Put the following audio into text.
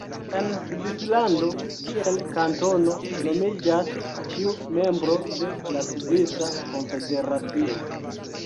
En Svislando kiel kantono nomiĝas ĉiu membro de la Svisa Konfederacio.